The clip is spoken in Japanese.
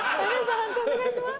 判定お願いします。